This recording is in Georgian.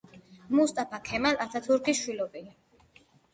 მუსტაფა ქემალ ათათურქის შვილობილი.